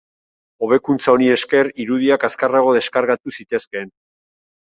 Hobekuntza honi esker, irudiak azkarrago deskargatu zitezkeen.